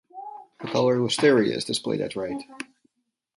The color wisteria is displayed at right.